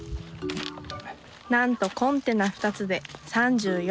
なんとコンテナ２つで３４ｋｇ。